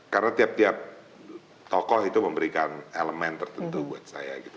karena tiap tiap tokoh itu memberikan elemen tertentu buat saya gitu